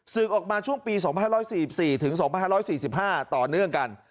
ออกมาช่วงปี๒๕๔๔ถึง๒๕๔๕ต่อเนื่องกัน